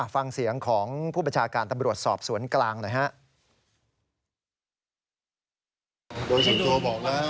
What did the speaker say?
ฟังเสียงของผู้บัญชาการตำรวจสอบสวนกลางหน่อยฮะ